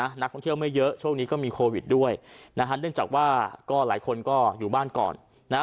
นักท่องเที่ยวไม่เยอะช่วงนี้ก็มีโควิดด้วยนะฮะเนื่องจากว่าก็หลายคนก็อยู่บ้านก่อนนะฮะ